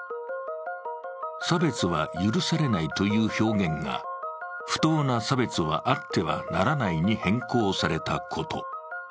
差別は許されないという表現が不当な差別はあってはならないに変更されたこと。